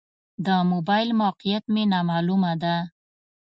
د موبایل موقعیت مې نا معلومه ده.